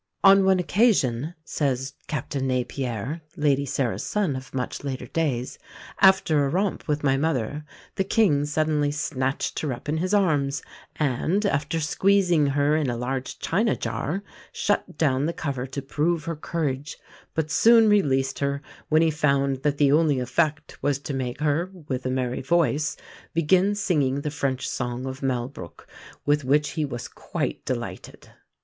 "On one occasion," says Captain Napier (Lady Sarah's son of much later days), "after a romp with my mother, the King suddenly snatched her up in his arms, and, after squeezing her in a large china jar, shut down the cover to prove her courage; but soon released her when he found that the only effect was to make her, with a merry voice, begin singing the French song of Malbruc, with which he was quite delighted."